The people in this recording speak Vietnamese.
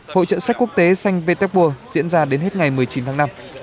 hội trợ sách quốc tế xanh vtecpur diễn ra đến hết ngày một mươi chín tháng năm